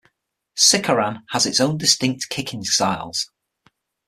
Sikaran has its own distinct kicking styles.